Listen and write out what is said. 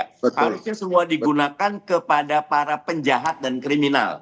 harusnya semua digunakan kepada para penjahat dan kriminal